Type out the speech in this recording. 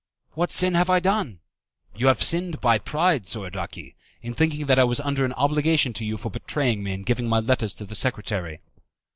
"What sin have I done?" "You have sinned by pride, Soradaci, in thinking that I was under an obligation to you for betraying me and giving my letters to the secretary."